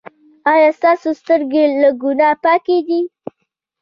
ایا ستاسو سترګې له ګناه پاکې دي؟